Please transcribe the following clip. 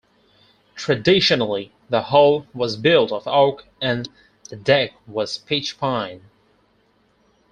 Traditionally, the hull was built of oak and the deck was pitch pine.